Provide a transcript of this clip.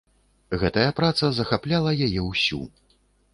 Гэтая праца захапляла яе ўсю.